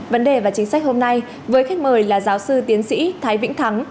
vấn đề và chính sách hôm nay với khách mời là giáo sư tiến sĩ thái vĩnh thắng